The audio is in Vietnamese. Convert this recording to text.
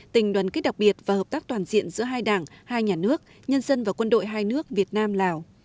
tình đoàn kết đặc biệt và hợp tác toàn diện giữa hai đảng hai nhà nước nhân dân và quân đội hai nước việt nam lào